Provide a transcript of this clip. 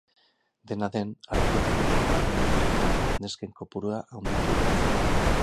Dena den, arduradunek nabarmendu zuten nesken kopurua handitu egin zela.